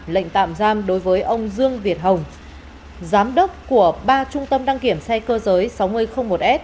lệnh tạm giam đối với ông dương việt hồng giám đốc của ba trung tâm đăng kiểm xe cơ giới sáu nghìn một s